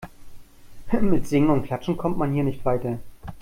Mit Singen und Klatschen kommt man hier nicht weiter.